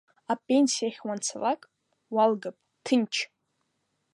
Апенсиахь уанцалак, уалгап, ҭынч!